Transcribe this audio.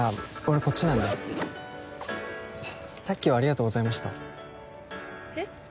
こっちなんでさっきはありがとうございましたえっ？